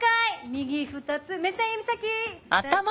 右２つ目線指先！